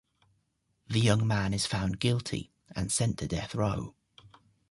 The young man is found guilty and sent to death row.